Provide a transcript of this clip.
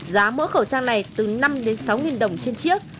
giá mỗi khẩu trang này từ năm đến sáu đồng trên chiếc